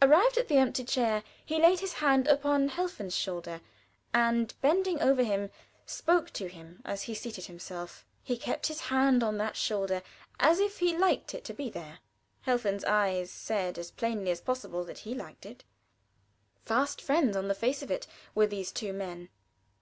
Arrived at the empty chair, he laid his hand upon Helfen's shoulder, and bending over him, spoke to him as he seated himself. He kept his hand on that shoulder, as if he liked it to be there. Helfen's eyes said as plainly as possibly that he liked it. Fast friends, on the face of it, were these two men.